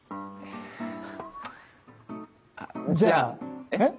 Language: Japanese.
じゃあえっ？